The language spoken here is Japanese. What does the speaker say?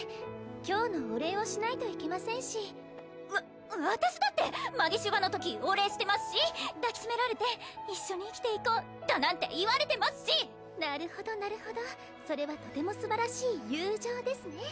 今日のお礼をしないといけませんしわ私だってマギシュバのときお礼してますし抱きしめられて一緒に生きていこうだなんて言われてますしなるほどなるほどそれはとてもすばらしい友情ですね